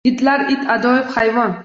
Yigitlar It - ajoyib hayvon!